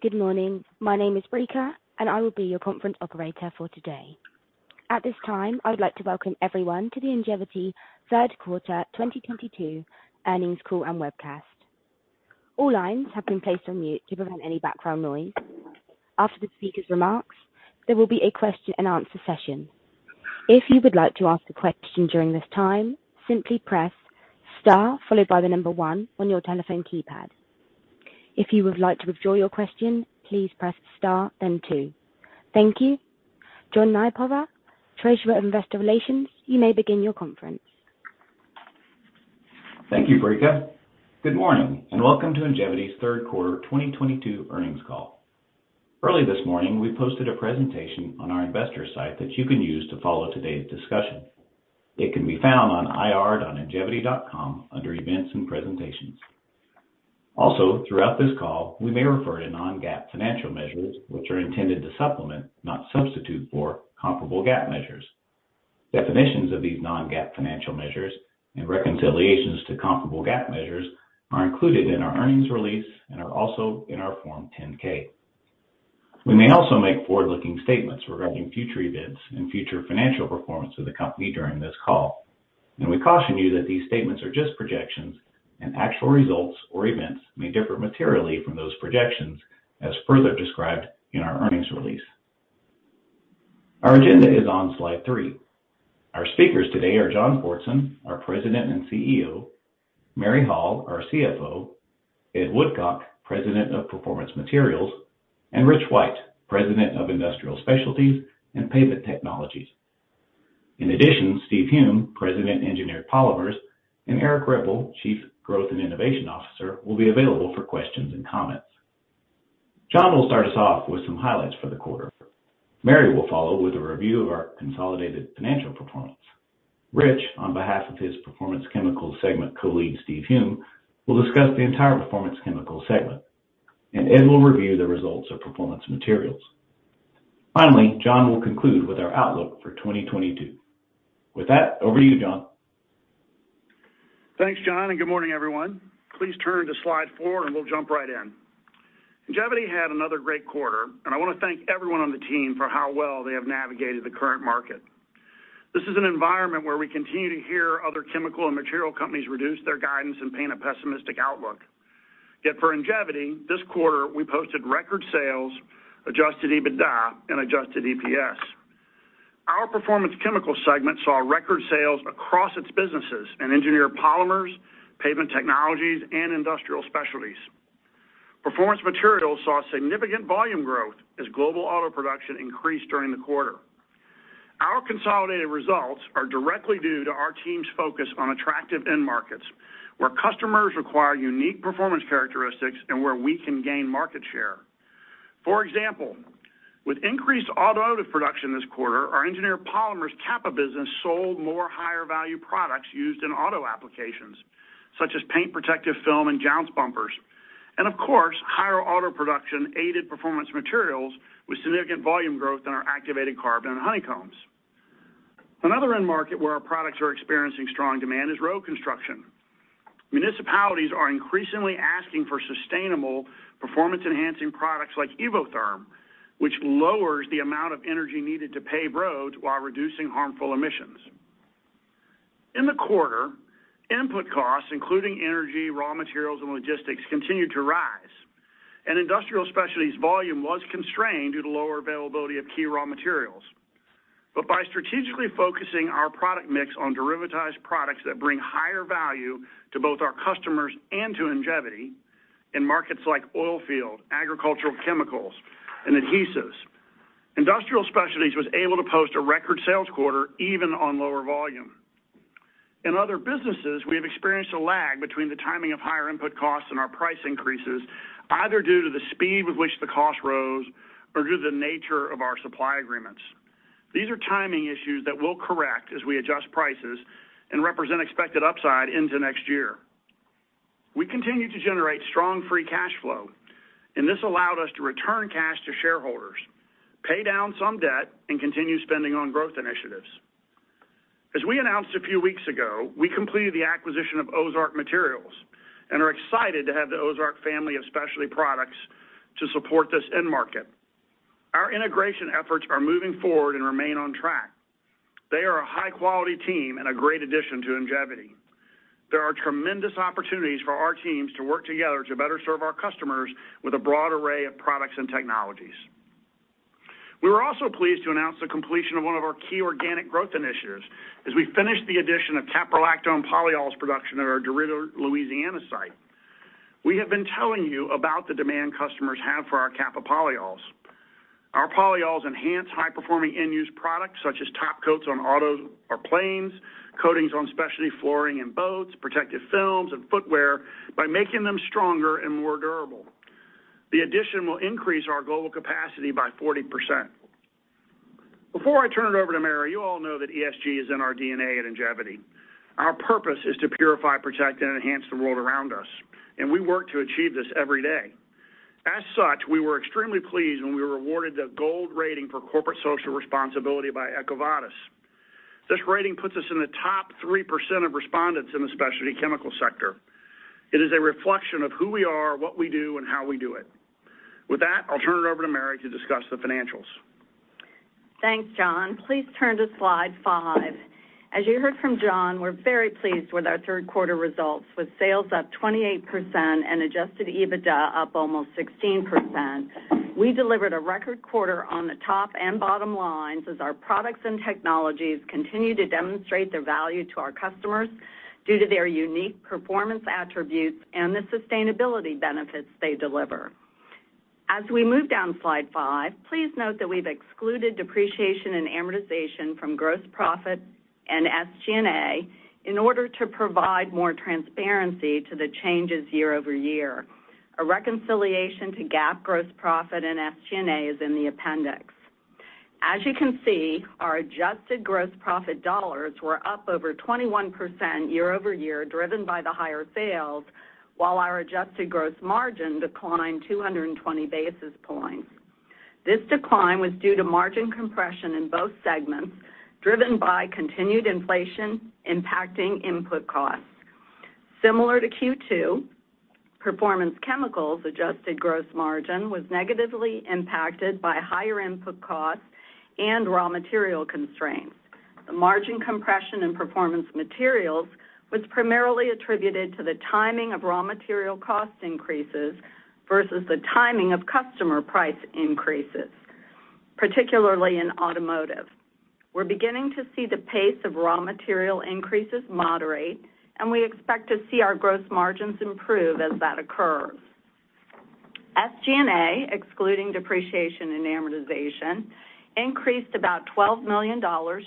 Good morning. My name is Brica, and I will be your conference operator for today. At this time, I would like to welcome everyone to the Ingevity third quarter 2022 earnings call and webcast. All lines have been placed on mute to prevent any background noise. After the speaker's remarks, there will be a question-and-answer session. If you would like to ask a question during this time, simply press star followed by the number one on your telephone keypad. If you would like to withdraw your question, please press star, then two. Thank you. John Nypaver, Treasurer of Investor Relations, you may begin your conference. Thank you, Brica. Good morning, and welcome to Ingevity's third quarter 2022 earnings call. Early this morning, we posted a presentation on our investor site that you can use to follow today's discussion. It can be found on ir.ingevity.com under Events and Presentations. Also, throughout this call, we may refer to non-GAAP financial measures, which are intended to supplement, not substitute, for comparable GAAP measures. Definitions of these non-GAAP financial measures and reconciliations to comparable GAAP measures are included in our earnings release and are also in our Form 10-K. We may also make forward-looking statements regarding future events and future financial performance of the company during this call, and we caution you that these statements are just projections, and actual results or events may differ materially from those projections, as further described in our earnings release. Our agenda is on slide three. Our speakers today are John Fortson, our President and CEO, Mary Hall, our CFO, Ed Woodcock, President of Performance Materials, and Rich White, President of Industrial Specialties and Pavement Technologies. In addition, Steve Hulme, President, Engineered Polymers, and Erik Ripple, Chief Growth and Innovation Officer, will be available for questions and comments. John will start us off with some highlights for the quarter. Mary will follow with a review of our consolidated financial performance. Rich, on behalf of his Performance Chemicals segment colleague, Steve Hulme, will discuss the entire Performance Chemicals segment, and Ed will review the results of Performance Materials. Finally, John will conclude with our outlook for 2022. With that, over to you, John. Thanks, John, and good morning, everyone. Please turn to slide four, and we'll jump right in. Ingevity had another great quarter, and I wanna thank everyone on the team for how well they have navigated the current market. This is an environment where we continue to hear other chemical and material companies reduce their guidance and paint a pessimistic outlook. Yet for Ingevity, this quarter, we posted record sales, Adjusted EBITDA, and adjusted EPS. Our Performance Chemicals segment saw record sales across its businesses in Engineered Polymers, Pavement Technologies, and Industrial Specialties. Performance Materials saw significant volume growth as global auto production increased during the quarter. Our consolidated results are directly due to our team's focus on attractive end markets, where customers require unique performance characteristics and where we can gain market share. For example, with increased automotive production this quarter, our Engineered Polymers Capa business sold more higher-value products used in auto applications, such as paint protective film and jounce bumpers. Of course, higher auto production aided Performance Materials with significant volume growth in our activated carbon and carbon honeycombs. Another end market where our products are experiencing strong demand is road construction. Municipalities are increasingly asking for sustainable performance-enhancing products like Evotherm, which lowers the amount of energy needed to pave roads while reducing harmful emissions. In the quarter, input costs, including energy, raw materials, and logistics, continued to rise, and Industrial Specialties volume was constrained due to lower availability of key raw materials. By strategically focusing our product mix on derivatized products that bring higher value to both our customers and to Ingevity in markets like oil field, agricultural chemicals, and adhesives. Industrial Specialties was able to post a record sales quarter even on lower volume. In other businesses, we have experienced a lag between the timing of higher input costs and our price increases, either due to the speed with which the cost rose or due to the nature of our supply agreements. These are timing issues that we'll correct as we adjust prices and represent expected upside into next year. We continue to generate strong free cash flow, and this allowed us to return cash to shareholders, pay down some debt, and continue spending on growth initiatives. As we announced a few weeks ago, we completed the acquisition of Ozark Materials and are excited to have the Ozark family of specialty products to support this end market. Our integration efforts are moving forward and remain on track. They are a high-quality team and a great addition to Ingevity. There are tremendous opportunities for our teams to work together to better serve our customers with a broad array of products and technologies. We were also pleased to announce the completion of one of our key organic growth initiatives as we finished the addition of caprolactone polyols production at our DeRidder, Louisiana site. We have been telling you about the demand customers have for our Capa polyols. Our polyols enhance high-performing end-use products, such as top coats on autos or planes, coatings on specialty flooring and boats, protective films, and footwear by making them stronger and more durable. The addition will increase our global capacity by 40%. Before I turn it over to Mary, you all know that ESG is in our DNA at Ingevity. Our purpose is to purify, protect, and enhance the world around us, and we work to achieve this every day. As such, we were extremely pleased when we were awarded the Gold rating for corporate social responsibility by EcoVadis. This rating puts us in the top 3% of respondents in the specialty chemical sector. It is a reflection of who we are, what we do, and how we do it. With that, I'll turn it over to Mary to discuss the financials. Thanks, John. Please turn to slide five. As you heard from John, we're very pleased with our third quarter results, with sales up 28% and Adjusted EBITDA up almost 16%. We delivered a record quarter on the top and bottom lines as our products and technologies continue to demonstrate their value to our customers due to their unique performance attributes and the sustainability benefits they deliver. As we move down slide five, please note that we've excluded depreciation and amortization from gross profit and SG&A in order to provide more transparency to the changes year-over-year. A reconciliation to GAAP gross profit and SG&A is in the appendix. As you can see, our adjusted gross profit dollars were up over 21% year-over-year, driven by the higher sales, while our adjusted gross margin declined 220 basis points. This decline was due to margin compression in both segments, driven by continued inflation impacting input costs. Similar to Q2, Performance Chemicals adjusted gross margin was negatively impacted by higher input costs and raw material constraints. The margin compression in Performance Materials was primarily attributed to the timing of raw material cost increases versus the timing of customer price increases, particularly in automotive. We're beginning to see the pace of raw material increases moderate, and we expect to see our gross margins improve as that occurs. SG&A, excluding depreciation and amortization, increased about $12 million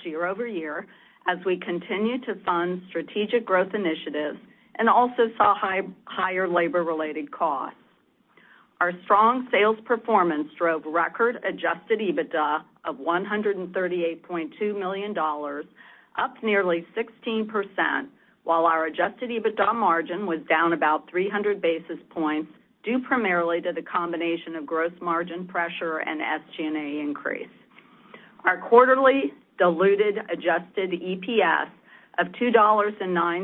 year-over-year as we continue to fund strategic growth initiatives and also saw higher labor related costs. Our strong sales performance drove record Adjusted EBITDA of $138.2 million, up nearly 16%, while our Adjusted EBITDA margin was down about 300 basis points, due primarily to the combination of gross margin pressure and SG&A increase. Our quarterly diluted adjusted EPS of $2.09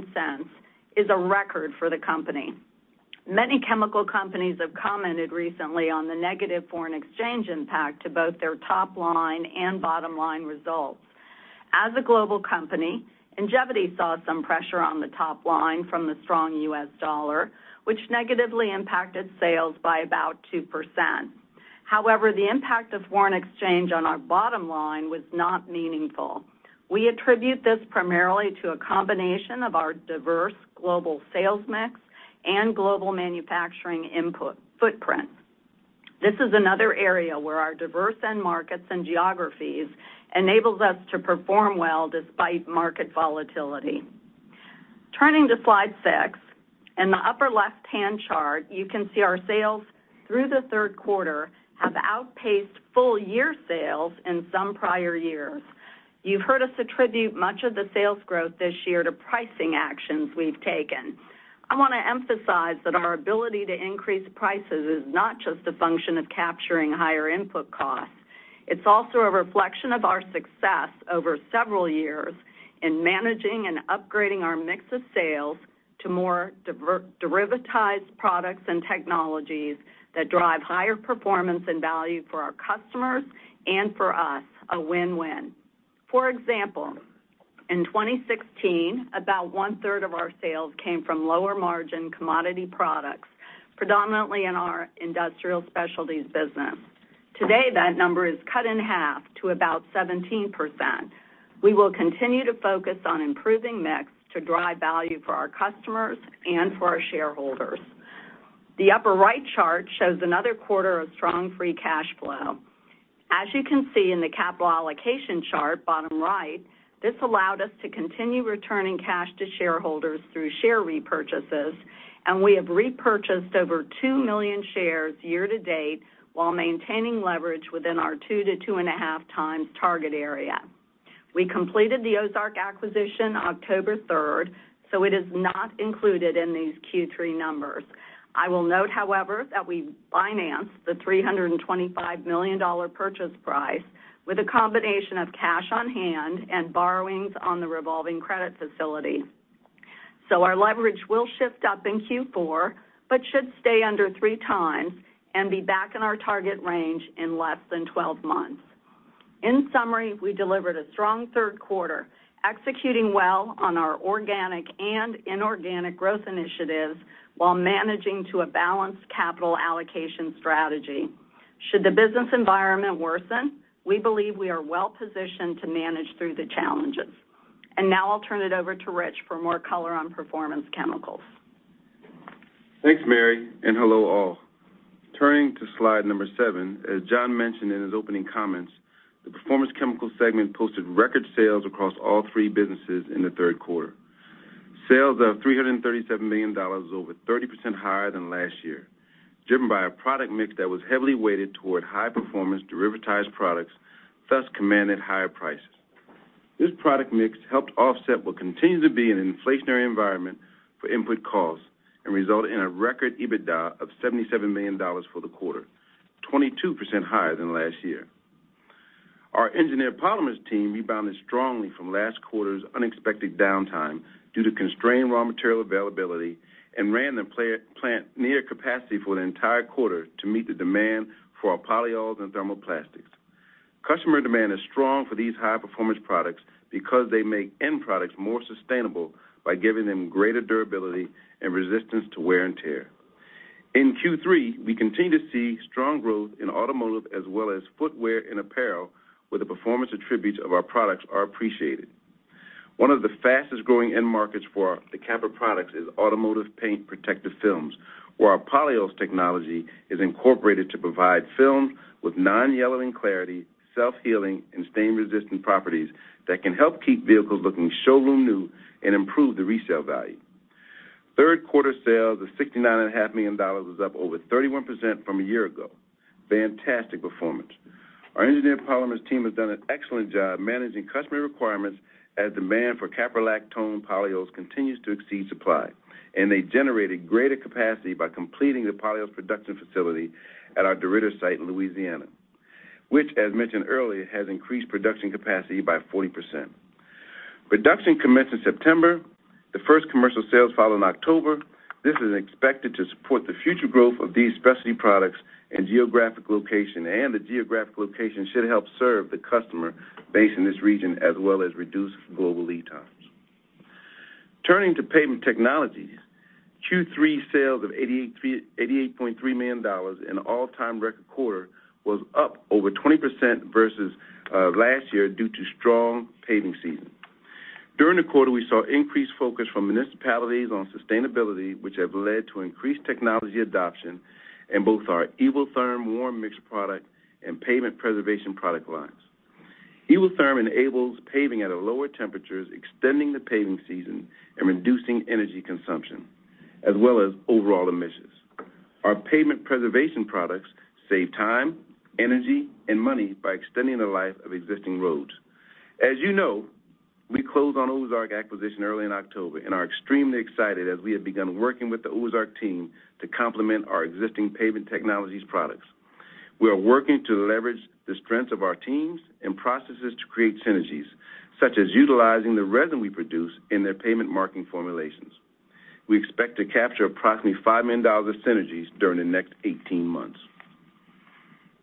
is a record for the company. Many chemical companies have commented recently on the negative foreign exchange impact to both their top line and bottom line results. As a global company, Ingevity saw some pressure on the top line from the strong U.S. dollar, which negatively impacted sales by about 2%. However, the impact of foreign exchange on our bottom line was not meaningful. We attribute this primarily to a combination of our diverse global sales mix and global manufacturing input footprint. This is another area where our diverse end markets and geographies enables us to perform well despite market volatility. Turning to slide six, in the upper left-hand chart, you can see our sales through the third quarter have outpaced full-year sales in some prior years. You've heard us attribute much of the sales growth this year to pricing actions we've taken. I wanna emphasize that our ability to increase prices is not just a function of capturing higher input costs. It's also a reflection of our success over several years in managing and upgrading our mix of sales to more diversified derivatized products and technologies that drive higher performance and value for our customers and for us, a win-win. For example, in 2016, about 1/3 of our sales came from lower-margin commodity products, predominantly in our Industrial Specialties business. Today, that number is cut in half to about 17%. We will continue to focus on improving mix to drive value for our customers and for our shareholders. The upper right chart shows another quarter of strong free cash flow. As you can see in the capital allocation chart, bottom right, this allowed us to continue returning cash to shareholders through share repurchases, and we have repurchased over 2 million shares year-to-date while maintaining leverage within our 2x-2.5x target area. We completed the Ozark acquisition October 3, so it is not included in these Q3 numbers. I will note, however, that we financed the $325 million purchase price with a combination of cash on hand and borrowings on the revolving credit facility. Our leverage will shift up in Q4, but should stay under 3x and be back in our target range in less than 12 months. In summary, we delivered a strong third quarter, executing well on our organic and inorganic growth initiatives while managing to a balanced capital allocation strategy. Should the business environment worsen, we believe we are well positioned to manage through the challenges. Now I'll turn it over to Rich for more color on Performance Chemicals. Thanks, Mary, and hello, all. Turning to slide seven, as John mentioned in his opening comments, the Performance Chemicals segment posted record sales across all three businesses in the third quarter. Sales of $337 million is over 30% higher than last year, driven by a product mix that was heavily weighted toward high-performance derivatized products, thus commanded higher prices. This product mix helped offset what continues to be an inflationary environment for input costs and resulted in a record EBITDA of $77 million for the quarter, 22% higher than last year. Our Engineered Polymers team rebounded strongly from last quarter's unexpected downtime due to constrained raw material availability and ran the plant near capacity for the entire quarter to meet the demand for our polyols and thermoplastics. Customer demand is strong for these high-performance products because they make end products more sustainable by giving them greater durability and resistance to wear and tear. In Q3, we continue to see strong growth in automotive as well as footwear and apparel, where the performance attributes of our products are appreciated. One of the fastest-growing end markets for the Capa products is automotive paint protective films, where our polyols technology is incorporated to provide film with non-yellowing clarity, self-healing, and stain-resistant properties that can help keep vehicles looking showroom new and improve the resale value. Third quarter sales of $69.5 million was up over 31% from a year ago. Fantastic performance. Our Engineered Polymers team has done an excellent job managing customer requirements as demand for caprolactone polyols continues to exceed supply, and they generated greater capacity by completing the polyols production facility at our DeRidder site in Louisiana, which, as mentioned earlier, has increased production capacity by 40%. Production commenced in September. The first commercial sales followed in October. This is expected to support the future growth of these specialty products and geographic location, and the geographic location should help serve the customer base in this region as well as reduce global lead times. Turning to Pavement Technologies, Q3 sales of $88.3 million, an all-time record quarter, was up over 20% versus last year due to strong paving season. During the quarter, we saw increased focus from municipalities on sustainability, which has led to increased technology adoption in both our Evotherm warm mix product and pavement preservation product lines. Evotherm enables paving at lower temperatures, extending the paving season, and reducing energy consumption, as well as overall emissions. Our pavement preservation products save time, energy, and money by extending the life of existing roads. As you know, we closed on Ozark acquisition early in October and are extremely excited as we have begun working with the Ozark team to complement our existing Pavement Technologies products. We are working to leverage the strengths of our teams and processes to create synergies, such as utilizing the resin we produce in their pavement marking formulations. We expect to capture approximately $5 million of synergies during the next 18 months.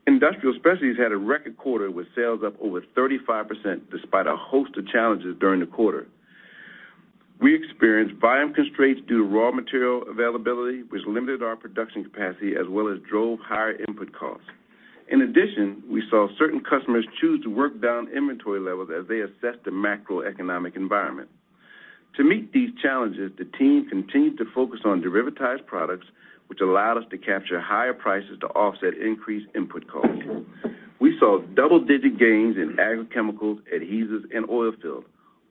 Industrial Specialties had a record quarter with sales up over 35% despite a host of challenges during the quarter. We experienced volume constraints due to raw material availability, which limited our production capacity as well as drove higher input costs. In addition, we saw certain customers choose to work down inventory levels as they assess the macroeconomic environment. To meet these challenges, the team continued to focus on derivatized products, which allowed us to capture higher prices to offset increased input costs. We saw double-digit gains in agrochemicals, adhesives, and oil field,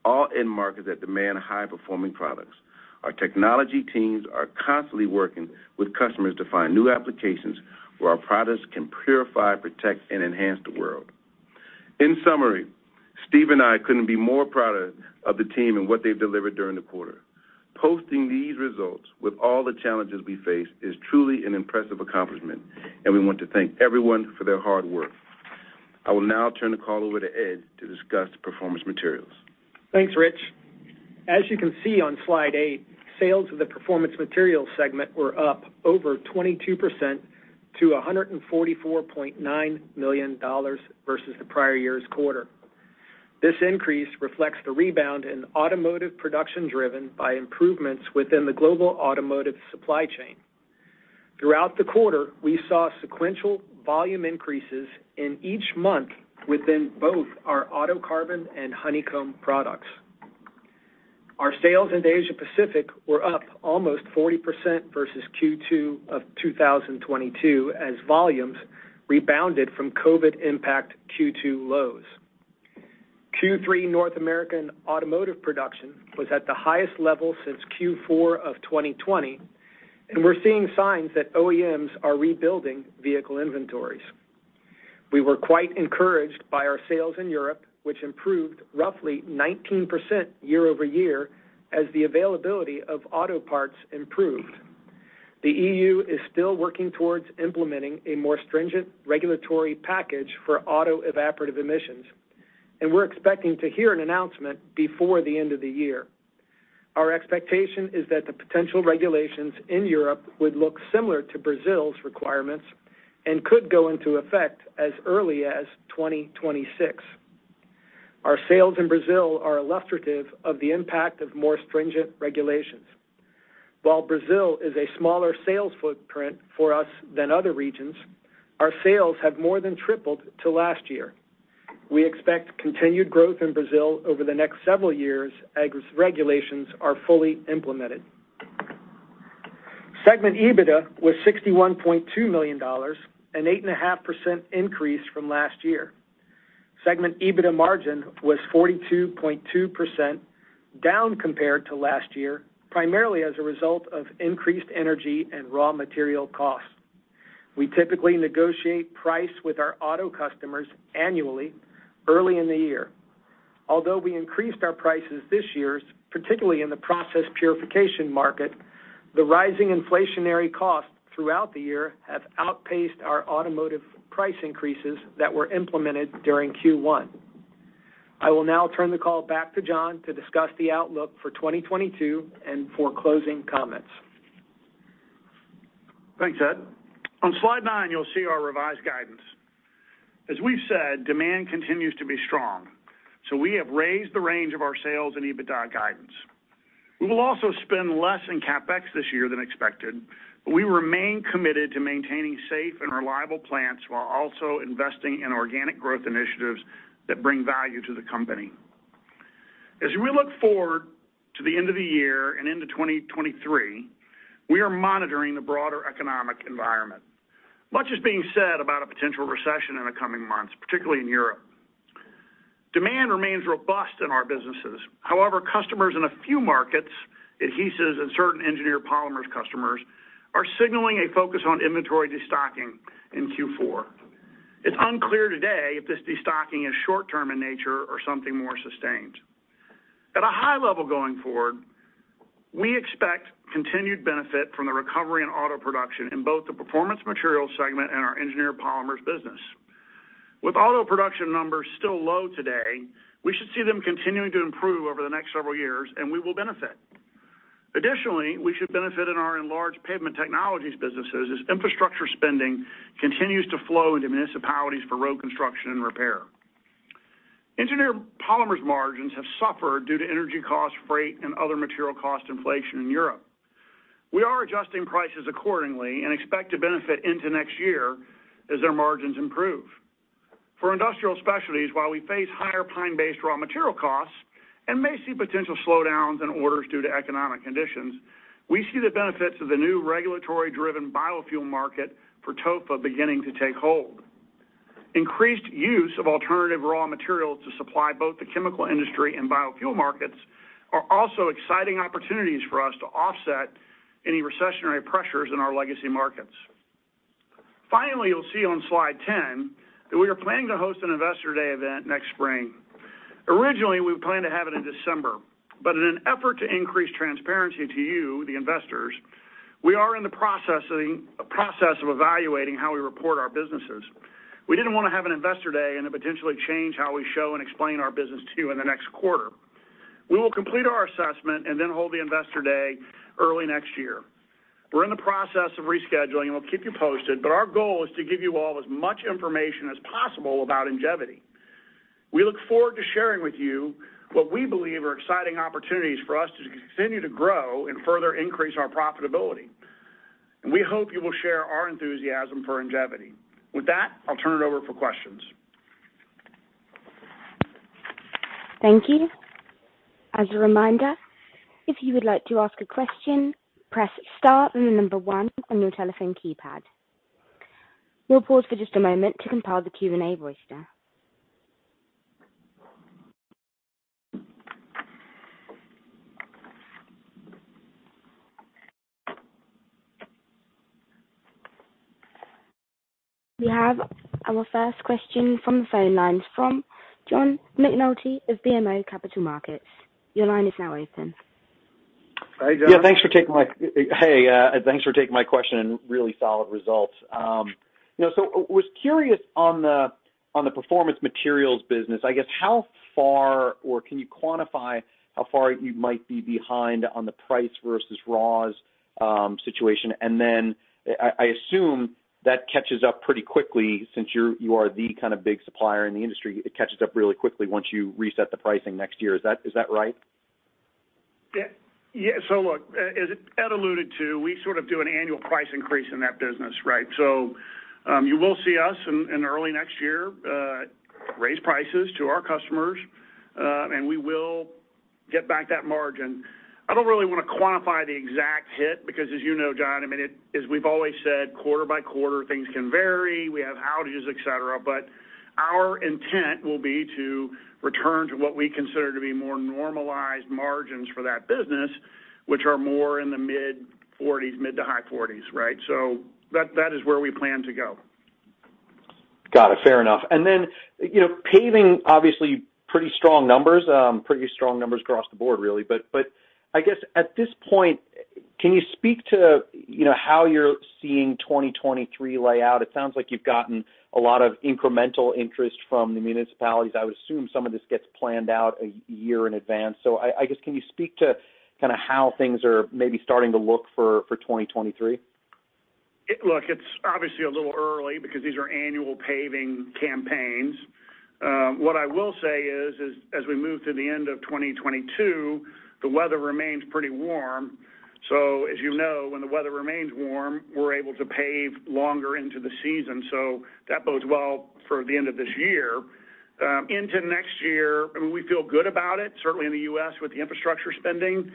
all end markets that demand high-performing products. Our technology teams are constantly working with customers to find new applications where our products can purify, protect, and enhance the world. In summary, Steve and I couldn't be more proud of the team and what they've delivered during the quarter. Posting these results with all the challenges we face is truly an impressive accomplishment, and we want to thank everyone for their hard work. I will now turn the call over to Ed to discuss Performance Materials. Thanks, Rich. As you can see on slide eight, sales of the Performance Materials segment were up over 22% to $144.9 million versus the prior year's quarter. This increase reflects the rebound in automotive production driven by improvements within the global automotive supply chain. Throughout the quarter, we saw sequential volume increases in each month within both our automotive carbon and honeycomb products. Our sales into Asia-Pacific were up almost 40% versus Q2 of 2022 as volumes rebounded from COVID impact Q2 lows. Q3 North American automotive production was at the highest level since Q4 of 2020, and we're seeing signs that OEMs are rebuilding vehicle inventories. We were quite encouraged by our sales in Europe, which improved roughly 19% year-over-year as the availability of auto parts improved. The EU is still working towards implementing a more stringent regulatory package for auto evaporative emissions, and we're expecting to hear an announcement before the end of the year. Our expectation is that the potential regulations in Europe would look similar to Brazil's requirements and could go into effect as early as 2026. Our sales in Brazil are illustrative of the impact of more stringent regulations. While Brazil is a smaller sales footprint for us than other regions, our sales have more than tripled to last year. We expect continued growth in Brazil over the next several years as regulations are fully implemented. Segment EBITDA was $61.2 million, an 8.5% increase from last year. Segment EBITDA margin was 42.2%, down compared to last year, primarily as a result of increased energy and raw material costs. We typically negotiate price with our auto customers annually early in the year. Although we increased our prices this year, particularly in the process purification market, the rising inflationary costs throughout the year have outpaced our automotive price increases that were implemented during Q1. I will now turn the call back to John to discuss the outlook for 2022 and for closing comments. Thanks, Ed. On slide nine, you'll see our revised guidance. As we've said, demand continues to be strong, so we have raised the range of our sales and EBITDA guidance. We will also spend less in CapEx this year than expected, but we remain committed to maintaining safe and reliable plants while also investing in organic growth initiatives that bring value to the company. As we look forward to the end of the year and into 2023, we are monitoring the broader economic environment. Much is being said about a potential recession in the coming months, particularly in Europe. Demand remains robust in our businesses. However, customers in a few markets, adhesives and certain Engineered Polymers customers, are signaling a focus on inventory destocking in Q4. It's unclear today if this destocking is short-term in nature or something more sustained. At a high level going forward, we expect continued benefit from the recovery in auto production in both the Performance Materials segment and our Engineered Polymers business. With auto production numbers still low today, we should see them continuing to improve over the next several years, and we will benefit. Additionally, we should benefit in our enlarged Pavement Technologies businesses as infrastructure spending continues to flow into municipalities for road construction and repair. Engineered Polymers margins have suffered due to energy costs, freight, and other material cost inflation in Europe. We are adjusting prices accordingly and expect to benefit into next year as their margins improve. For Industrial Specialties, while we face higher pine-based raw material costs and may see potential slowdowns in orders due to economic conditions, we see the benefits of the new regulatory-driven biofuel market for TOFA beginning to take hold. Increased use of alternative raw materials to supply both the chemical industry and biofuel markets are also exciting opportunities for us to offset any recessionary pressures in our legacy markets. Finally, you'll see on slide 10 that we are planning to host an Investor Day event next spring. Originally, we planned to have it in December, but in an effort to increase transparency to you, the investors, we are in the process of evaluating how we report our businesses. We didn't wanna have an Investor Day and then potentially change how we show and explain our business to you in the next quarter. We will complete our assessment and then hold the Investor Day early next year. We're in the process of rescheduling, and we'll keep you posted, but our goal is to give you all as much information as possible about Ingevity. We look forward to sharing with you what we believe are exciting opportunities for us to continue to grow and further increase our profitability. We hope you will share our enthusiasm for Ingevity. With that, I'll turn it over for questions. Thank you. As a reminder, if you would like to ask a question, press star and the number one on your telephone keypad. We'll pause for just a moment to compile the Q&A roster. We have our first question from the phone lines from John McNulty of BMO Capital Markets. Your line is now open. Hi, John. Thanks for taking my question, and really solid results. You know, I was curious on the Performance Materials business, I guess how far or can you quantify how far you might be behind on the price versus raws situation? I assume that catches up pretty quickly since you are the kind of big supplier in the industry, it catches up really quickly once you reset the pricing next year. Is that right? Look, as Ed alluded to, we sort of do an annual price increase in that business, right? You will see us in early next year raise prices to our customers, and we will get back that margin. I don't really wanna quantify the exact hit because as you know, John, I mean, as we've always said, quarter-by-quarter, things can vary. We have outages, et cetera. Our intent will be to return to what we consider to be more normalized margins for that business, which are more in the mid-40s%, mid- to high 40s%, right? That is where we plan to go. Got it. Fair enough. You know, paving, obviously pretty strong numbers, pretty strong numbers across the board really. I guess at this point, can you speak to, you know, how you're seeing 2023 lay out? It sounds like you've gotten a lot of incremental interest from the municipalities. I would assume some of this gets planned out a year in advance. I guess, can you speak to kinda how things are maybe starting to look for 2023? Look, it's obviously a little early because these are annual paving campaigns. What I will say is as we move to the end of 2022, the weather remains pretty warm. As you know, when the weather remains warm, we're able to pave longer into the season. That bodes well for the end of this year. Into next year, I mean, we feel good about it, certainly in the U.S. with the infrastructure spending.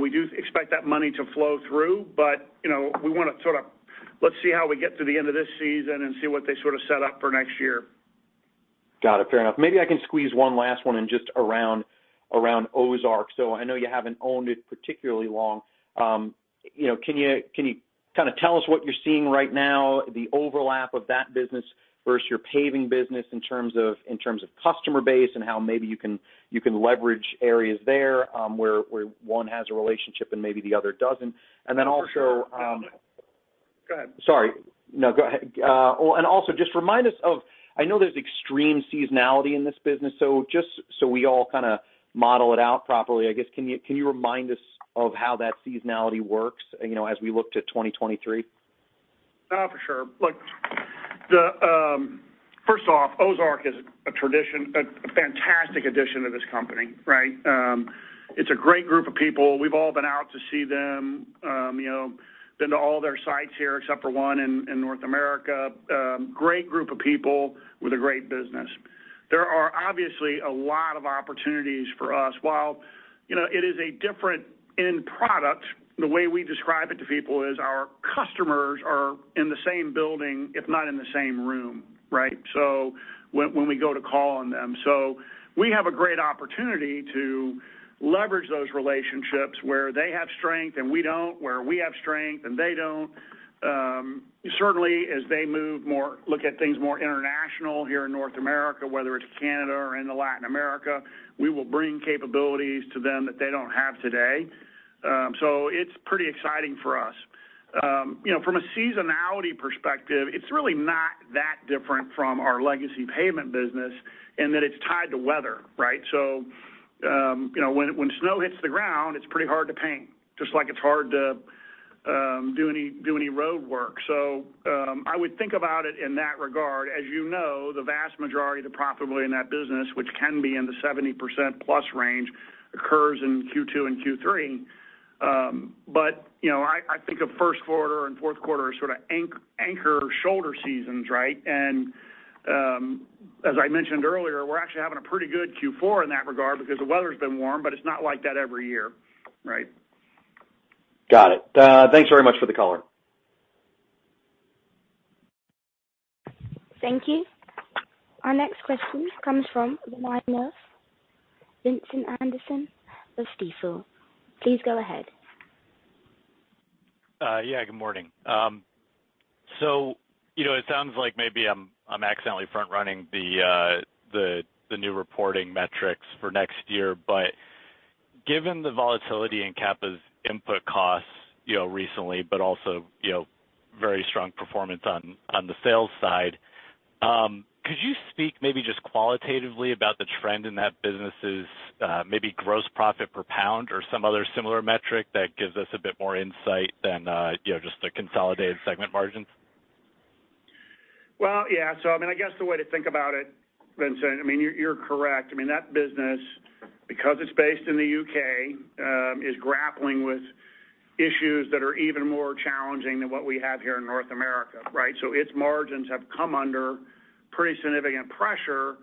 We do expect that money to flow through. You know, we wanna sort of, let's see how we get to the end of this season and see what they sorta set up for next year. Got it. Fair enough. Maybe I can squeeze one last one in just around Ozark. I know you haven't owned it particularly long. You know, can you kind of tell us what you're seeing right now, the overlap of that business versus your paving business in terms of customer base and how maybe you can leverage areas there, where one has a relationship and maybe the other doesn't? Go ahead. Sorry. No, go ahead. Oh, and also, I know there's extreme seasonality in this business, so just so we all kind of model it out properly, I guess, can you remind us of how that seasonality works, you know, as we look to 2023? For sure. Look, the first off, Ozark is a fantastic addition to this company, right? It's a great group of people. We've all been out to see them, you know, been to all their sites here except for one in North America. Great group of people with a great business. There are obviously a lot of opportunities for us. While you know, it is a different end product, the way we describe it to people is our customers are in the same building, if not in the same room, right? When we go to call on them. We have a great opportunity to leverage those relationships where they have strength and we don't, where we have strength and they don't. Certainly as they look at things more international here in North America, whether it's Canada or into Latin America, we will bring capabilities to them that they don't have today. So it's pretty exciting for us. You know, from a seasonality perspective, it's really not that different from our legacy pavement business in that it's tied to weather, right? You know, when snow hits the ground, it's pretty hard to paint, just like it's hard to do any road work. I would think about it in that regard. As you know, the vast majority of the profitability in that business, which can be in the 70%+ range, occurs in Q2 and Q3. You know, I think of first quarter and fourth quarter as sort of anchor shoulder seasons, right? As I mentioned earlier, we're actually having a pretty good Q4 in that regard because the weather's been warm, but it's not like that every year, right? Got it. Thanks very much for the color. Thank you. Our next question comes from the line of Vincent Anderson of Stifel. Please go ahead. Yeah, good morning. So, you know, it sounds like maybe I'm accidentally front running the new reporting metrics for next year. Given the volatility in Capa's input costs, you know, recently, but also, you know, very strong performance on the sales side, could you speak maybe just qualitatively about the trend in that business's maybe gross profit per pound or some other similar metric that gives us a bit more insight than, you know, just the consolidated segment margins? Well, yeah. I mean, I guess the way to think about it, Vincent, I mean, you're correct. I mean, that business, because it's based in the U.K., is grappling with issues that are even more challenging than what we have here in North America, right? Its margins have come under pretty significant pressure,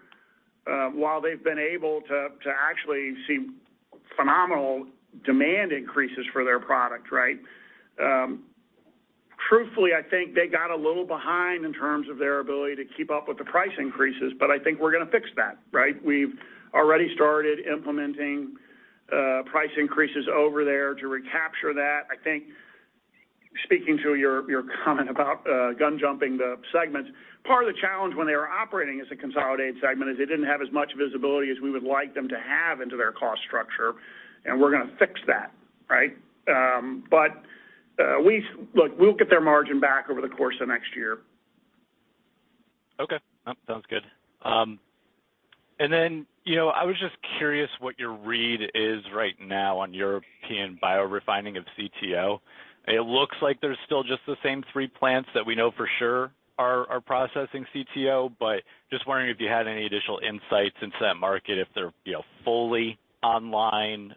while they've been able to actually see phenomenal demand increases for their product, right? Truthfully, I think they got a little behind in terms of their ability to keep up with the price increases, but I think we're gonna fix that, right? We've already started implementing price increases over there to recapture that. I think speaking to your comment about lumping the segments, part of the challenge when they were operating as a consolidated segment is they didn't have as much visibility as we would like them to have into their cost structure, and we're gonna fix that, right? Look, we'll get their margin back over the course of next year. Okay. Sounds good. You know, I was just curious what your read is right now on European biorefining of CTO. It looks like there's still just the same three plants that we know for sure are processing CTO, but just wondering if you had any additional insights into that market, if they're, you know, fully online.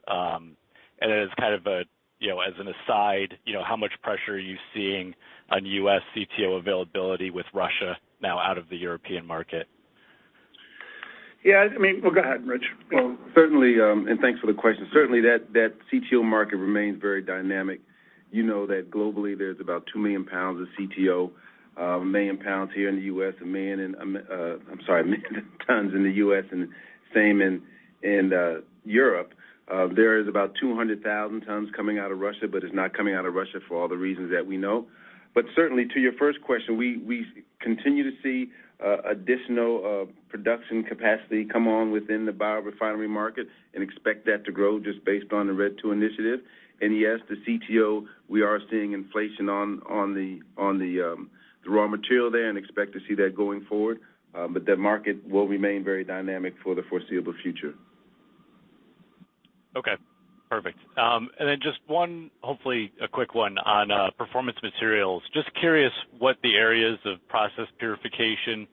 As kind of a, you know, as an aside, you know, how much pressure are you seeing on U.S. CTO availability with Russia now out of the European market? Yeah, I mean, well, go ahead, Rich. Well, certainly, thanks for the question. Certainly, that CTO market remains very dynamic. You know that globally there's about 2 million pounds of CTO, a million tons in the U.S. and same in Europe. There is about 200,000 tons coming out of Russia, but it's not coming out of Russia for all the reasons that we know. Certainly to your first question, we continue to see additional production capacity come on within the biorefinery market and expect that to grow just based on the RED II initiative. Yes, the CTO, we are seeing inflation on the raw material there and expect to see that going forward. That market will remain very dynamic for the foreseeable future. Okay. Perfect. Just one, hopefully a quick one on Performance Materials. Just curious what the areas of process purification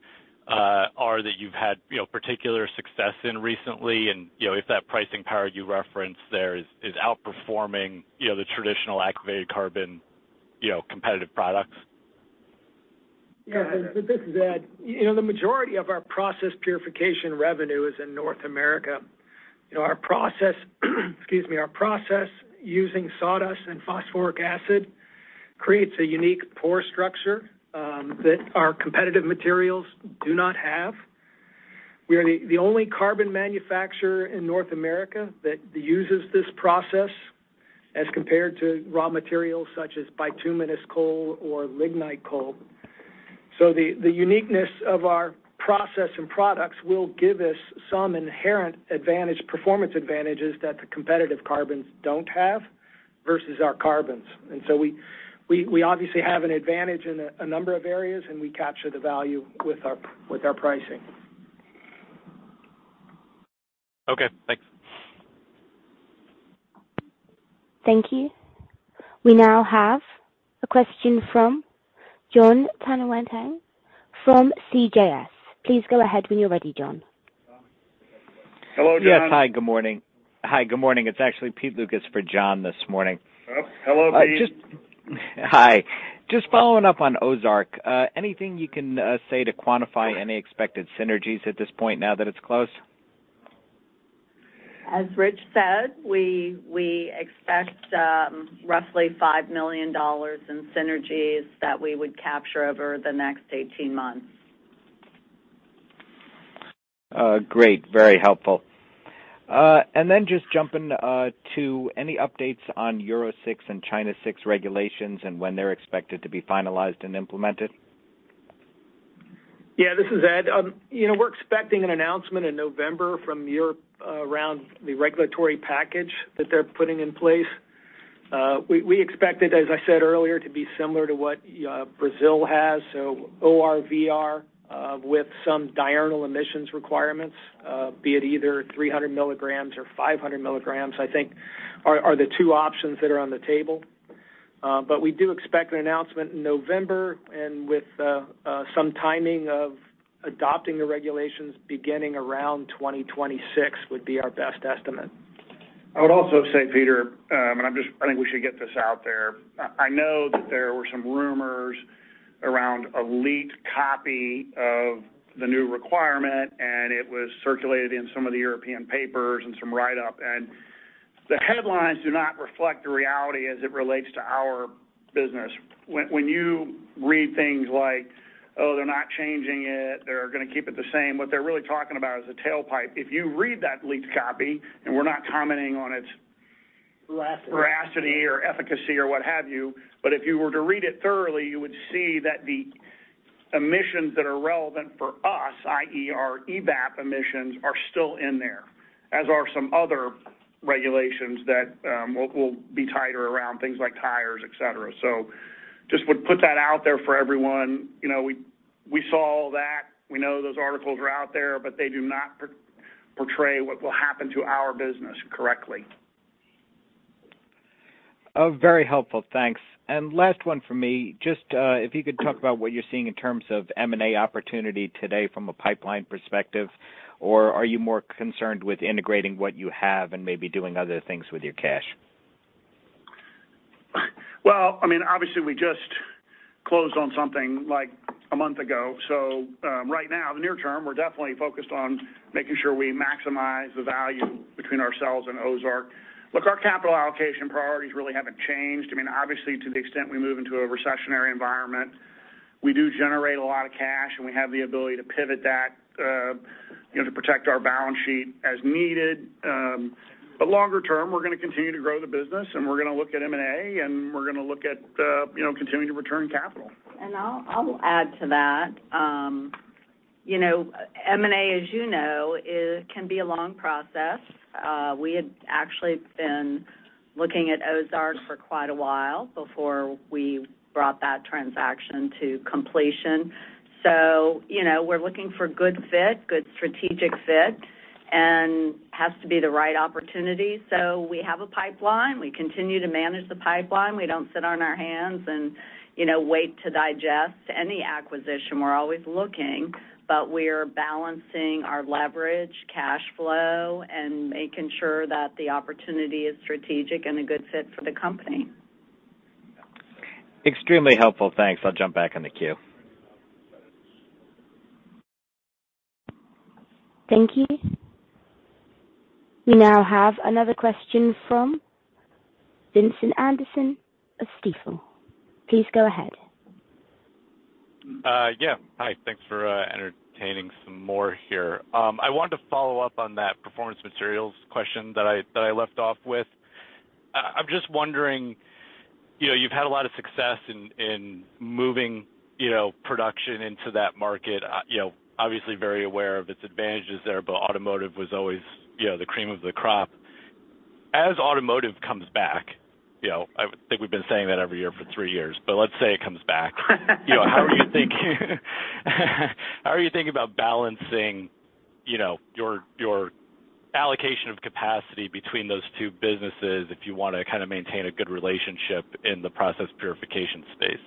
are that you've had, you know, particular success in recently. You know, if that pricing power you referenced there is outperforming, you know, the traditional activated carbon, you know, competitive products. Yeah. This is Ed. You know, the majority of our process purification revenue is in North America. You know, our process using sawdust and phosphoric acid. Creates a unique pore structure that our competitive materials do not have. We are the only carbon manufacturer in North America that uses this process as compared to raw materials such as bituminous coal or lignite coal. The uniqueness of our process and products will give us some inherent advantage, performance advantages that the competitive carbons don't have versus our carbons. We obviously have an advantage in a number of areas, and we capture the value with our pricing. Okay, thanks. Thank you. We now have a question from Jon Tanwanteng from CJS. Please go ahead when you're ready, Jon. Hello, John. Yes. Hi, good morning. Hi, good morning. It's actually Pete Lucas for John this morning. Oh, hello, Pete. Hi. Just following up on Ozark, anything you can say to quantify any expected synergies at this point now that it's closed? As Rich said, we expect roughly $5 million in synergies that we would capture over the next 18 months. Great. Very helpful. Just jumping to any updates on Euro 6 and China 6 regulations and when they're expected to be finalized and implemented? Yeah, this is Ed. You know, we're expecting an announcement in November from Europe around the regulatory package that they're putting in place. We expect it, as I said earlier, to be similar to what Brazil has, so ORVR with some diurnal emissions requirements, be it either 300 mg or 500 mg. I think are the two options that are on the table. We do expect an announcement in November and with some timing of adopting the regulations beginning around 2026 would be our best estimate. I would also say, Peter, I think we should get this out there. I know that there were some rumors around a leaked copy of the new requirement, and it was circulated in some of the European papers and some write-up. The headlines do not reflect the reality as it relates to our business. When you read things like, "Oh, they're not changing it, they're gonna keep it the same," what they're really talking about is the tailpipe. If you read that leaked copy, and we're not commenting on its. Veracity. veracity or efficacy or what have you, but if you were to read it thoroughly, you would see that the emissions that are relevant for us, i.e., our EVAP emissions, are still in there, as are some other regulations that will be tighter around things like tires, et cetera. Just would put that out there for everyone. You know, we saw all that. We know those articles are out there, but they do not portray what will happen to our business correctly. Oh, very helpful. Thanks. Last one for me, just if you could talk about what you're seeing in terms of M&A opportunity today from a pipeline perspective, or are you more concerned with integrating what you have and maybe doing other things with your cash? Well, I mean, obviously we just closed on something, like, a month ago, so, right now, the near term, we're definitely focused on making sure we maximize the value between ourselves and Ozark. Look, our capital allocation priorities really haven't changed. I mean, obviously, to the extent we move into a recessionary environment, we do generate a lot of cash, and we have the ability to pivot that, you know, to protect our balance sheet as needed. Longer term, we're gonna continue to grow the business and we're gonna look at M&A and we're gonna look at, you know, continuing to return capital. I will add to that. You know, M&A, as you know, it can be a long process. We had actually been looking at Ozark for quite a while before we brought that transaction to completion. You know, we're looking for good fit, good strategic fit, and has to be the right opportunity. We have a pipeline. We continue to manage the pipeline. We don't sit on our hands and, you know, wait to digest any acquisition. We're always looking, but we're balancing our leverage, cash flow, and making sure that the opportunity is strategic and a good fit for the company. Extremely helpful. Thanks. I'll jump back in the queue. Thank you. We now have another question from Vincent Anderson of Stifel. Please go ahead. Yeah. Hi. Thanks for entertaining some more here. I wanted to follow up on that Performance Materials question that I left off with. I'm just wondering, you know, you've had a lot of success in moving, you know, production into that market, you know, obviously very aware of its advantages there, but automotive was always, you know, the cream of the crop. As automotive comes back, you know, I think we've been saying that every year for three years, but let's say it comes back. You know, how are you thinking about balancing, you know, your allocation of capacity between those two businesses if you wanna kind of maintain a good relationship in the process purification space?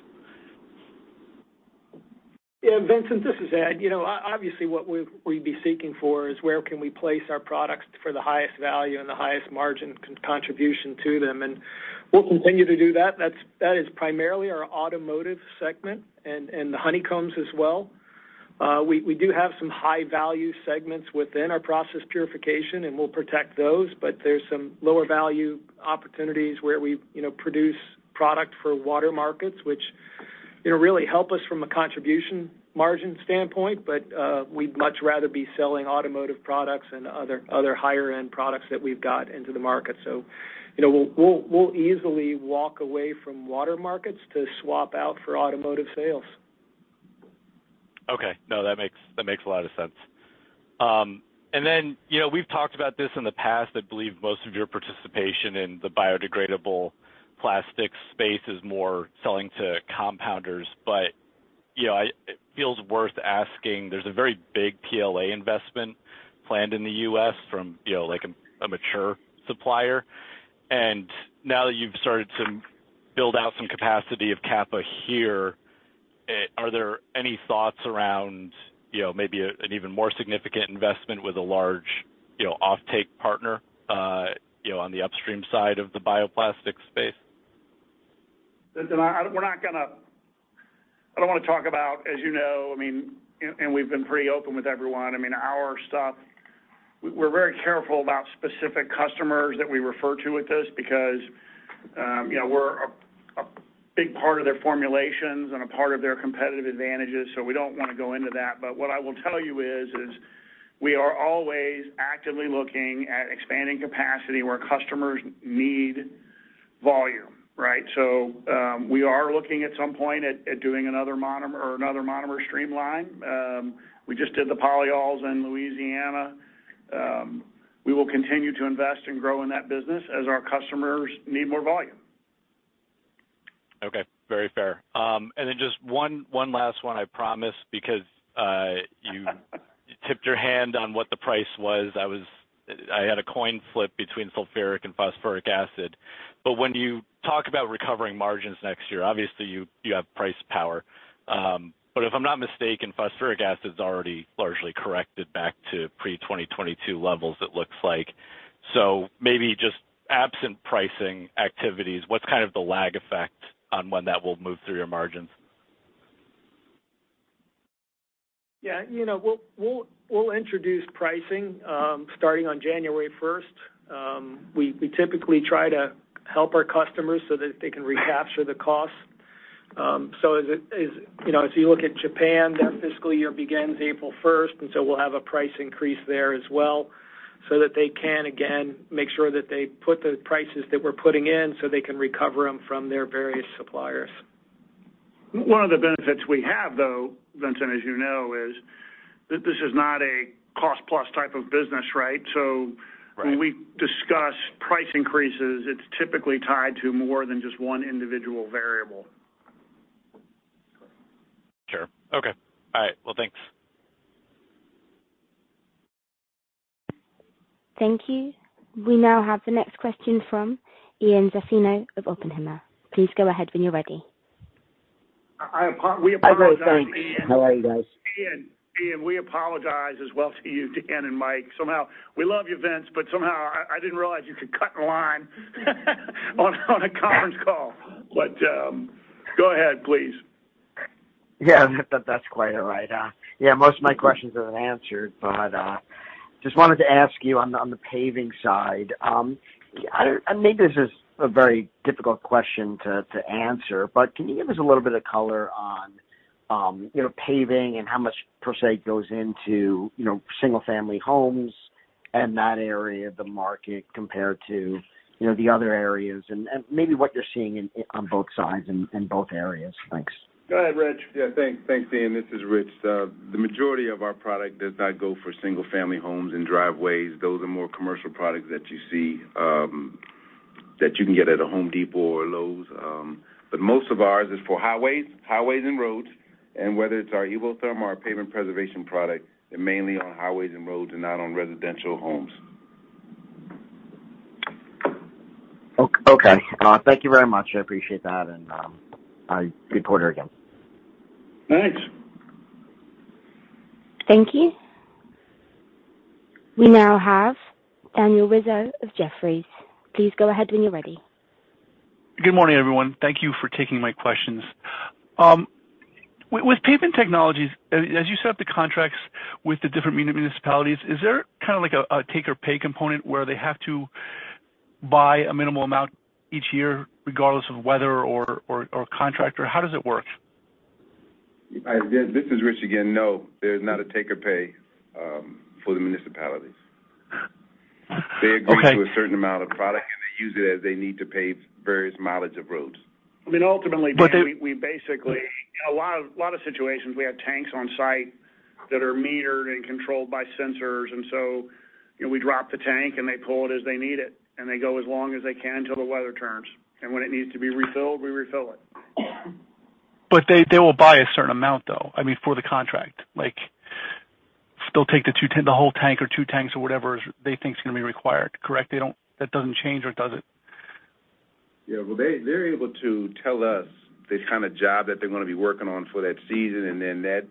Yeah, Vincent, this is Ed. You know, obviously, what we'd be seeking for is where can we place our products for the highest value and the highest margin contribution to them, and we'll continue to do that. That is primarily our automotive segment and the honeycombs as well. We do have some high value segments within our process purification, and we'll protect those, but there's some lower value opportunities where we, you know, produce product for water markets, which, you know, really help us from a contribution margin standpoint. We'd much rather be selling automotive products and other higher-end products that we've got into the market. You know, we'll easily walk away from water markets to swap out for automotive sales. Okay. No, that makes a lot of sense. You know, we've talked about this in the past. I believe most of your participation in the biodegradable plastic space is more selling to compounders. You know, it feels worth asking. There's a very big PLA investment planned in the U.S. from, you know, like a mature supplier. Now that you've started to build out some capacity of Capa here, are there any thoughts around, you know, maybe an even more significant investment with a large, you know, offtake partner, you know, on the upstream side of the bioplastic space? Vincent, we're not gonna. I don't wanna talk about, as you know, I mean, we've been pretty open with everyone. I mean, our stuff, we're very careful about specific customers that we refer to with this because, you know, we're a big part of their formulations and a part of their competitive advantages, so we don't wanna go into that. What I will tell you is we are always actively looking at expanding capacity where customers need volume, right? We are looking at some point at doing another monomer or another monomer streamline. We just did the polyols in Louisiana. We will continue to invest and grow in that business as our customers need more volume. Okay. Very fair. Just one last one, I promise, because you tipped your hand on what the price was. I had a coin flip between sulfuric and phosphoric acid. When you talk about recovering margins next year, obviously you have price power. If I'm not mistaken, phosphoric acid is already largely corrected back to pre-2022 levels, it looks like. Maybe just absent pricing activities, what's kind of the lag effect on when that will move through your margins? Yeah. You know, we'll introduce pricing starting on January first. We typically try to help our customers so that they can recapture the costs. So as it is, you know, as you look at Japan, their fiscal year begins April 1, and we'll have a price increase there as well, so that they can again make sure that they put the prices that we're putting in so they can recover them from their various suppliers. One of the benefits we have, though, Vincent, as you know, is this is not a cost-plus type of business, right? Right. When we discuss price increases, it's typically tied to more than just one individual variable. Sure. Okay. All right. Well, thanks. Thank you. We now have the next question from Ian Zaffino of Oppenheimer. Please go ahead when you're ready. We apologize, Ian. Hi, guys. Thanks. How are you guys? Ian, we apologize as well to you, Dan, and Mike. Somehow we love you, Vince, but somehow I didn't realize you could cut in line on a conference call. Go ahead, please. Yeah, that's quite all right. Yeah, most of my questions have been answered, but just wanted to ask you on the paving side, and maybe this is a very difficult question to answer, but can you give us a little bit of color on, you know, paving and how much per se goes into, you know, single family homes and that area of the market compared to, you know, the other areas and maybe what you're seeing on both sides in both areas. Thanks. Go ahead, Rich. Yeah. Thanks. Thanks, Ian. This is Rich. The majority of our product does not go for single-family homes and driveways. Those are more commercial products that you see that you can get at a Home Depot or Lowe's. Most of ours is for highways and roads, and whether it's our Evotherm or our pavement preservation product, they're mainly on highways and roads and not on residential homes. Okay. Thank you very much. I appreciate that and reporter again. Thanks. Thank you. We now have Daniel Rizzo of Jefferies. Please go ahead when you're ready. Good morning, everyone. Thank you for taking my questions. With paving technologies, as you set up the contracts with the different municipalities, is there kind of like a take or pay component where they have to buy a minimal amount each year, regardless of weather or contract? Or how does it work? Dan, this is Rich again. No, there's not a take or pay for the municipalities. Okay. They agree to a certain amount of product, and they use it as they need to pave various mileage of roads. I mean, ultimately. But they- We basically, in a lot of situations, we have tanks on site that are metered and controlled by sensors. You know, we drop the tank, and they pull it as they need it, and they go as long as they can till the weather turns. When it needs to be refilled, we refill it. They will buy a certain amount, though, I mean, for the contract. Like, they'll take the whole tank or two tanks or whatever they think is gonna be required. Correct? They don't. That doesn't change or does it? Yeah. Well, they're able to tell us the kind of job that they're gonna be working on for that season, and then that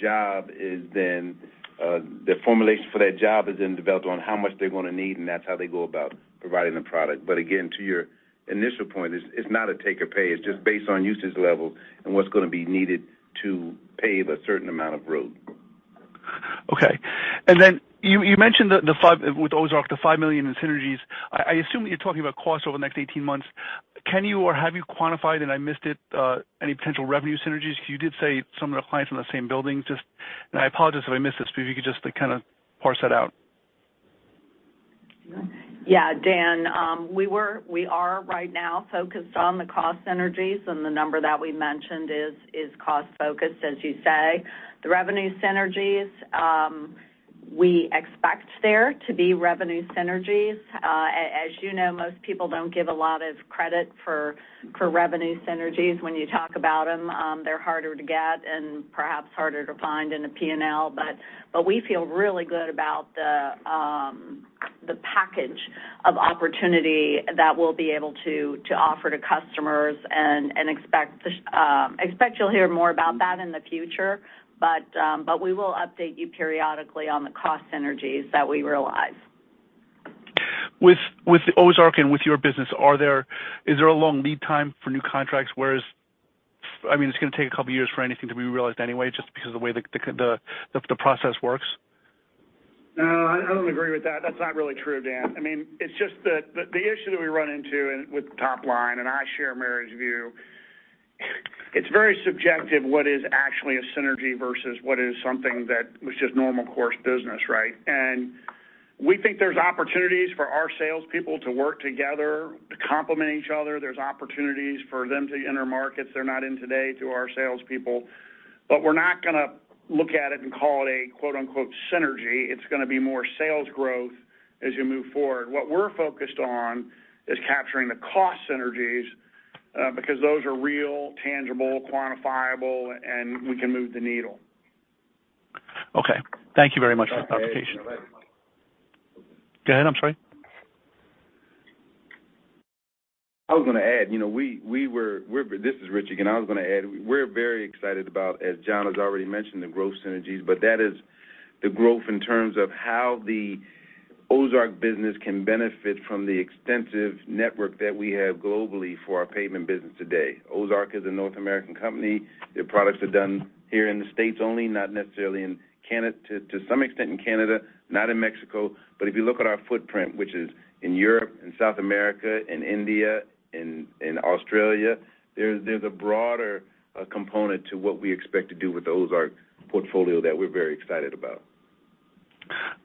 job is then. The formulation for that job is then developed on how much they're gonna need, and that's how they go about providing the product. Again, to your initial point, it's not a take or pay. It's just based on usage levels and what's gonna be needed to pave a certain amount of road. Okay. You mentioned the $5 million with Ozark in synergies. I assume you're talking about costs over the next 18 months. Can you or have you quantified, and I missed it, any potential revenue synergies? You did say some of the clients were in the same building. Just, I apologize if I missed this, but if you could just kind of parse that out. Yeah, Dan, we are right now focused on the cost synergies, and the number that we mentioned is cost-focused, as you say. The revenue synergies, we expect there to be revenue synergies. As you know, most people don't give a lot of credit for revenue synergies when you talk about them. They're harder to get and perhaps harder to find in a P&L. We feel really good about the package of opportunity that we'll be able to offer to customers and expect you'll hear more about that in the future. We will update you periodically on the cost synergies that we realize. With Ozark and with your business, is there a long lead time for new contracts, whereas, I mean, it's gonna take a couple years for anything to be realized anyway, just because of the way the process works? No, I don't agree with that. That's not really true, Dan. I mean, it's just that the issue that we run into with top line, and I share Mary's view, it's very subjective what is actually a synergy versus what is something that was just normal course business, right? We think there's opportunities for our salespeople to work together to complement each other. There's opportunities for them to enter markets they're not in today to our salespeople. But we're not gonna look at it and call it a quote-unquote, "synergy." It's gonna be more sales growth as you move forward. What we're focused on is capturing the cost synergies, because those are real, tangible, quantifiable, and we can move the needle. Okay. Thank you very much for that clarification. Go ahead, I'm sorry. This is Rich again. I was gonna add. You know, we're very excited about, as John has already mentioned, the growth synergies, but that is the growth in terms of how the Ozark business can benefit from the extensive network that we have globally for our pavement business today. Ozark is a North American company. Their products are done here in the States only, not necessarily, to some extent, in Canada, not in Mexico. If you look at our footprint, which is in Europe and South America and India, in Australia, there's a broader component to what we expect to do with Ozark portfolio that we're very excited about.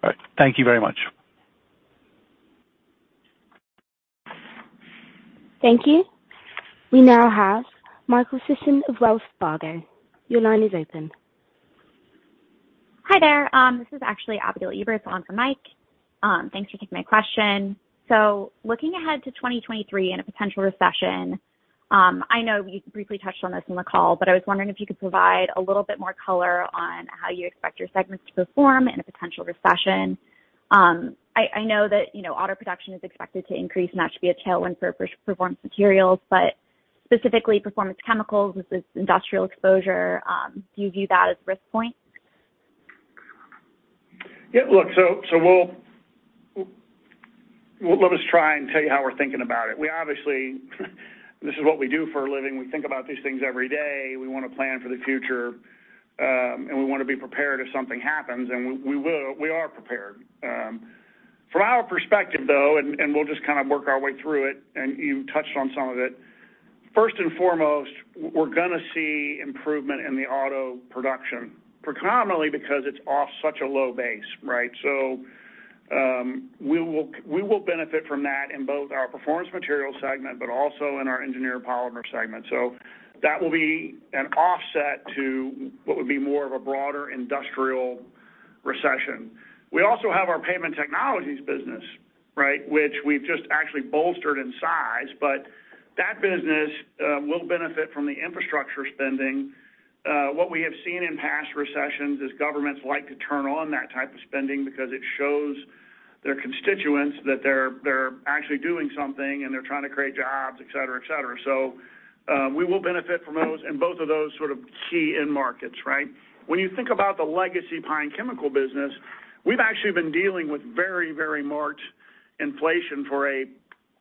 All right. Thank you very much. Thank you. We now have Michael Sison of Wells Fargo Securities. Your line is open. Hi there. This is actually Abigail Eberts along for Mike. Thanks for taking my question. Looking ahead to 2023 and a potential recession, I know you briefly touched on this on the call, but I was wondering if you could provide a little bit more color on how you expect your segments to perform in a potential recession. I know that, you know, auto production is expected to increase and that should be a tailwind for Performance Materials, but specifically Performance Chemicals with its industrial exposure, do you view that as a risk point? Yeah, look, let us try and tell you how we're thinking about it. We obviously, this is what we do for a living. We think about these things every day. We wanna plan for the future, and we wanna be prepared if something happens, and we are prepared. From our perspective, though, we'll just kind of work our way through it, and you touched on some of it. First and foremost, we're gonna see improvement in the auto production, predominantly because it's off such a low base, right? We will benefit from that in both our Performance Materials segment, but also in our Engineered Polymers segment. That will be an offset to what would be more of a broader industrial recession. We also have our Pavement Technologies business, right? Which we've just actually bolstered in size. That business will benefit from the infrastructure spending. What we have seen in past recessions is governments like to turn on that type of spending because it shows their constituents that they're actually doing something and they're trying to create jobs, et cetera, et cetera. We will benefit from those in both of those sort of key end markets, right? When you think about the legacy pine chemical business, we've actually been dealing with very, very large inflation for a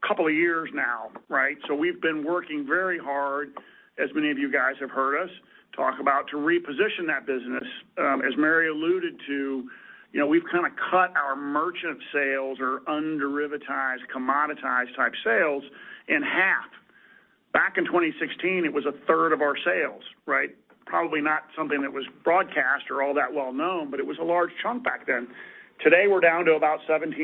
couple of years now, right? We've been working very hard, as many of you guys have heard us talk about, to reposition that business. As Mary alluded to, you know, we've kinda cut our merchant sales or underivatized, commoditized type sales in half. Back in 2016, it was a third of our sales, right? Probably not something that was broadcast or all that well known, but it was a large chunk back then. Today, we're down to about 17%.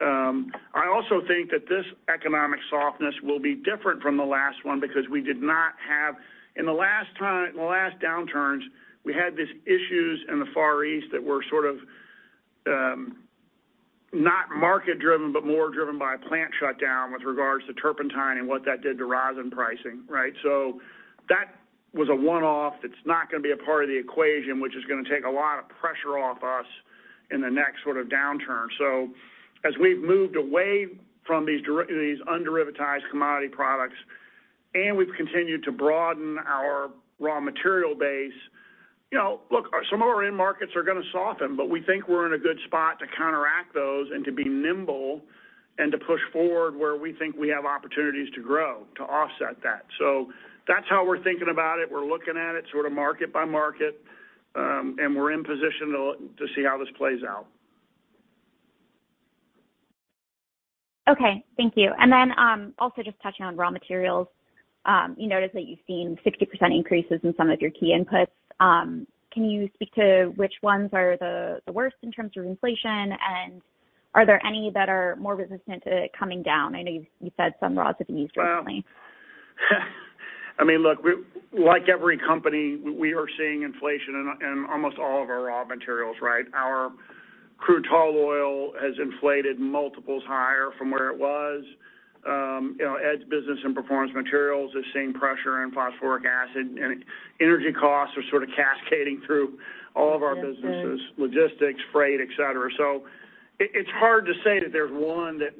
I also think that this economic softness will be different from the last one because in the last downturns, we had these issues in the far East that were sort of not market-driven, but more driven by a plant shutdown with regards to turpentine and what that did to rosin pricing, right? So that was a one-off. It's not gonna be a part of the equation, which is gonna take a lot of pressure off our in the next sort of downturn. As we've moved away from these under-derivatized commodity products, and we've continued to broaden our raw material base, you know, look, some of our end markets are gonna soften, but we think we're in a good spot to counteract those and to be nimble and to push forward where we think we have opportunities to grow to offset that. That's how we're thinking about it. We're looking at it sort of market by market, and we're in position to to see how this plays out. Okay. Thank you. Also just touching on raw materials. You noticed that you've seen 60% increases in some of your key inputs. Can you speak to which ones are the worst in terms of inflation? Are there any that are more resistant to coming down? I know you said some raws have been used recently. Well, I mean, look, we, like every company, are seeing inflation in almost all of our raw materials, right? Our Crude Tall Oil has inflated multiples higher from where it was. You know, Engineered Polymers business and Performance Materials is seeing pressure in phosphoric acid, and energy costs are sort of cascading through all of our businesses. Yes. Logistics, freight, et cetera. It's hard to say that there's one that,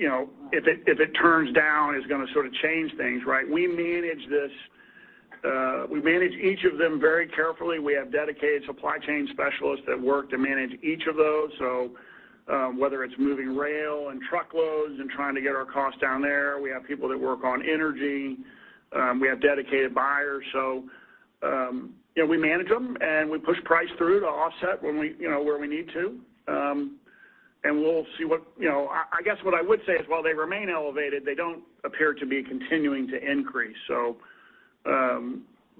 you know, if it turns down, is gonna sort of change things, right? We manage each of them very carefully. We have dedicated supply chain specialists that work to manage each of those. Whether it's moving rail and truckloads and trying to get our costs down there, we have people that work on energy. We have dedicated buyers. You know, we manage them, and we push price through to offset when we, you know, where we need to. We'll see what. You know, I guess what I would say is, while they remain elevated, they don't appear to be continuing to increase.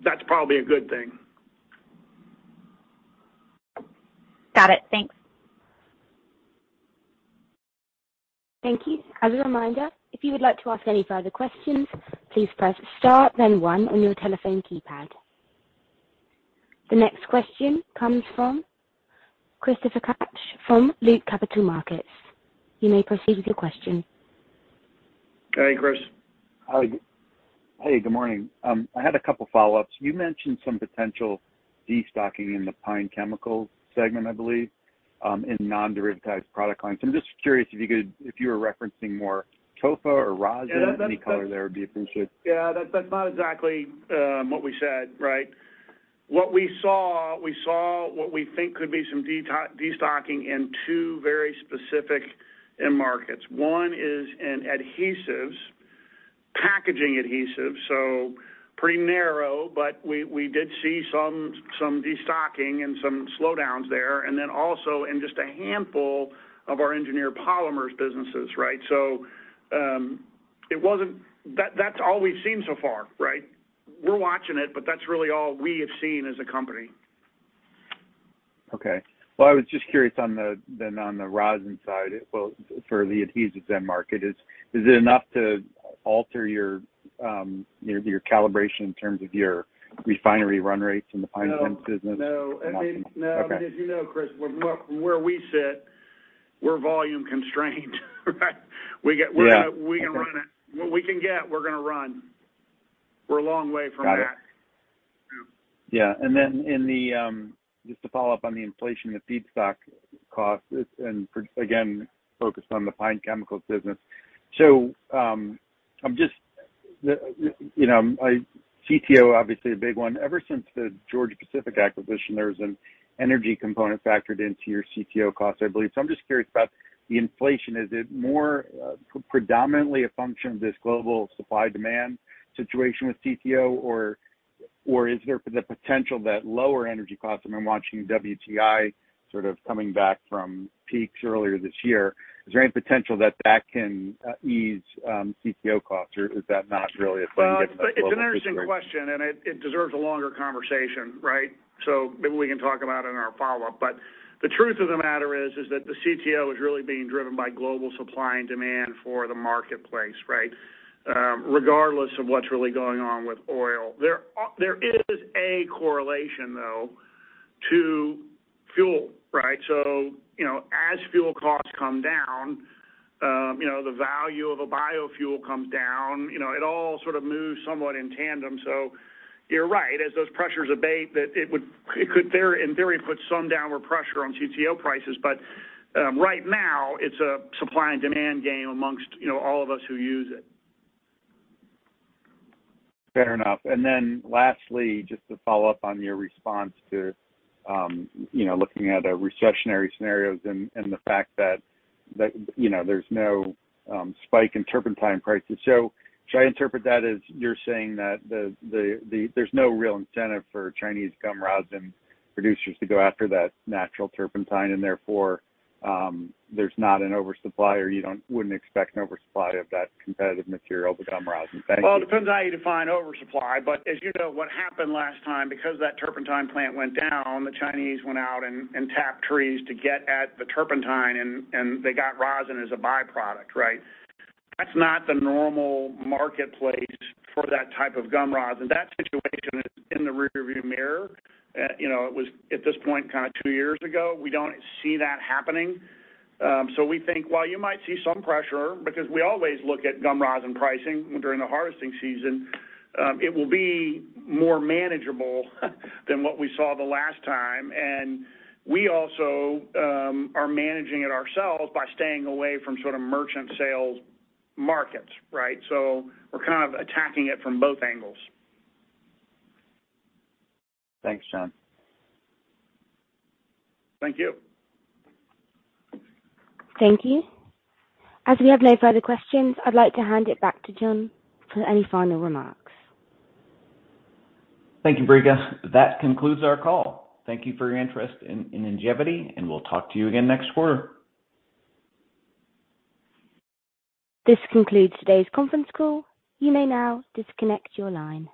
That's probably a good thing. Got it. Thanks. Thank you. As a reminder, if you would like to ask any further questions, please press star then one on your telephone keypad. The next question comes from Christopher Kapsch from Loop Capital Markets. You may proceed with your question. Hey, Chris. Hi. Hey, good morning. I had a couple follow-ups. You mentioned some potential destocking in the pine chemicals segment, I believe, in non-derivatized product lines. I'm just curious if you were referencing more TOFA or rosin. Any color there would be appreciated. Yeah, that's not exactly what we said, right? What we saw, we saw what we think could be some destocking in two very specific end markets. One is in adhesives, packaging adhesives, so pretty narrow, but we did see some destocking and some slowdowns there. Also in just a handful of our Engineered Polymers businesses, right? It wasn't. That's all we've seen so far, right? We're watching it, but that's really all we have seen as a company. Okay. Well, I was just curious on the, then on the rosin side, well, for the adhesives end market. Is it enough to alter your, you know, your calibration in terms of your refinery run rates in the pine chemical business? No. Okay. I mean, no, because you know, Chris, from where we sit, we're volume constrained, right? We get- Yeah. We can run it. What we can get, we're gonna run. We're a long way from that. Got it. Yeah. Just to follow up on the inflation of feedstock costs, and again for the pine chemicals business. CTO, obviously a big one. Ever since the Georgia-Pacific acquisition, there was an energy component factored into your CTO costs, I believe. I'm just curious about the inflation. Is it more predominantly a function of this global supply-demand situation with CTO, or is there the potential that lower energy costs, and I'm watching WTI sort of coming back from peaks earlier this year, is there any potential that can ease CTO costs, or is that not really a thing given the global situation? Well, it's an interesting question, and it deserves a longer conversation, right? Maybe we can talk about it in our follow-up. The truth of the matter is that the CTO is really being driven by global supply and demand for the marketplace, right? Regardless of what's really going on with oil. There is a correlation, though, to fuel, right? You know, as fuel costs come down, you know, the value of a biofuel comes down. You know, it all sort of moves somewhat in tandem. You're right. As those pressures abate, that it would, it could there, in theory, put some downward pressure on CTO prices. But right now, it's a supply and demand game amongst, you know, all of us who use it. Fair enough. Then lastly, just to follow up on your response to, you know, looking at, recessionary scenarios and the fact that, you know, there's no spike in turpentine prices. So should I interpret that as you're saying that the there's no real incentive for Chinese gum rosin producers to go after that natural turpentine, and therefore, there's not an oversupply, or you wouldn't expect an oversupply of that competitive material, the gum rosin? Thank you. Well, it depends on how you define oversupply. As you know, what happened last time, because that turpentine plant went down, the Chinese went out and tapped trees to get at the turpentine and they got gum rosin as a byproduct, right? That's not the normal marketplace for that type of gum rosin. That situation is in the rearview mirror. You know, it was at this point kind of two years ago. We don't see that happening. We think while you might see some pressure, because we always look at gum rosin pricing during the harvesting season, it will be more manageable than what we saw the last time. We also are managing it ourselves by staying away from sort of merchant sales markets, right? We're kind of attacking it from both angles. Thanks, John. Thank you. Thank you. As we have no further questions, I'd like to hand it back to John for any final remarks. Thank you, Brica. That concludes our call. Thank you for your interest in Ingevity, and we'll talk to you again next quarter. This concludes today's conference call. You may now disconnect your line.